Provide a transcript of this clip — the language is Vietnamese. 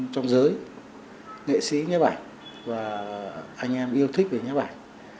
trong giới nghệ sĩ như vậy và anh em yêu thích về như vậy